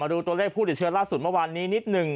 ดูตัวเลขผู้ติดเชื้อล่าสุดเมื่อวานนี้นิดหนึ่ง